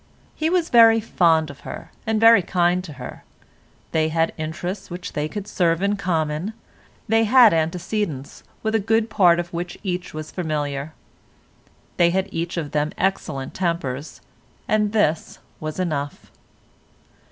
He was very fond of her, and very kind to her; they had interests which they could serve in common; they had antecedents with a good part of which each was familiar; they had each of them excellent tempers, and this was enough.